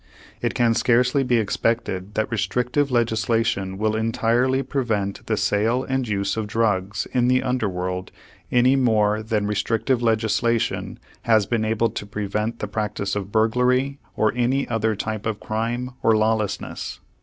It can scarcely be expected that restrictive legislation will entirely prevent the sale and use of drugs in the under world any more than restrictive legislation has been able to prevent the practice of burglary or any other type of crime or lawlessness.